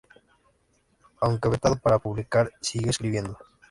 Aunque vetado para publicar, siguió escribiendo.